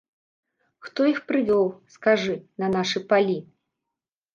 Хто іх прывёў, скажы, на нашы палі?